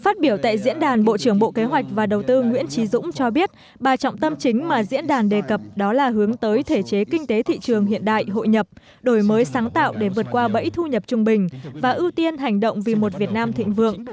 phát biểu tại diễn đàn bộ trưởng bộ kế hoạch và đầu tư nguyễn trí dũng cho biết bà trọng tâm chính mà diễn đàn đề cập đó là hướng tới thể chế kinh tế thị trường hiện đại hội nhập đổi mới sáng tạo để vượt qua bẫy thu nhập trung bình và ưu tiên hành động vì một việt nam thịnh vượng